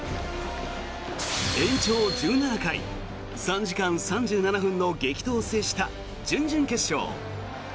延長１７回、３時間３７分の激闘を制した準々決勝。